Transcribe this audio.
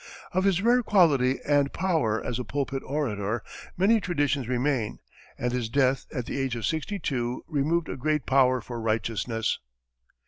Of his rare quality and power as a pulpit orator many traditions remain, and his death at the age of sixty two removed a great power for righteousness.